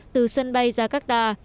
từ sân bay jakarta